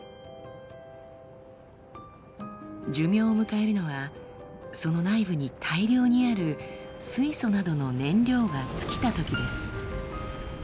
寿命を迎えるのはその内部に大量にある水素などの燃料が尽きたときです。